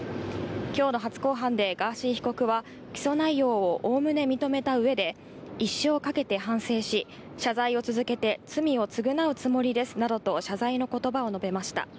きょうの初公判でガーシー被告は、起訴内容をおおむね認めたうえで、一生かけて反省し、謝罪を続けて罪を償うつもりですなどと、謝罪のことばを述べました。